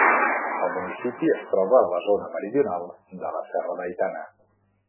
El municipi es troba a la zona meridional de la serra d'Aitana.